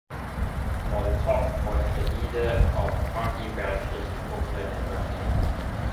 Montauk was a leader of party branches in Oakland and Berkeley.